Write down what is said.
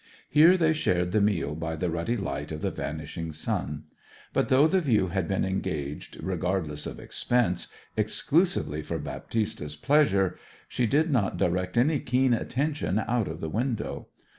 Here they shared the meal by the ruddy light of the vanishing sun. But though the view had been engaged, regardless of expense, exclusively for Baptista's pleasure, she did not direct any keen attention out of the window.